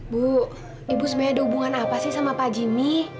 bu ibu sebenarnya ada hubungan apa sih sama pak jimmy